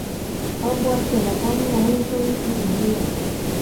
kobwoti ale ale komwoun Tom kiit nekiyoei